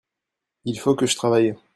il faut que je travaille.